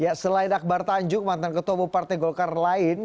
ya selain akbar tanjung mantan ketua buparte golkar lain